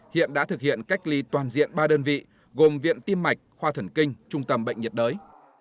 hiện đã thực hiện cách ly toàn diện ba đơn vị gồm viện tim mạch khoa thần kinh trung tâm bệnh nhiệt đới